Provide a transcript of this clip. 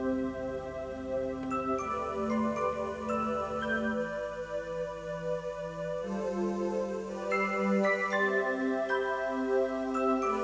ini tahu kita dapat melakukan sisanya oh pak prayogo